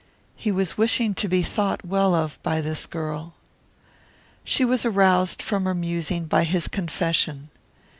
He was wishing to be thought well of by this girl. She was aroused from her musing by his confession.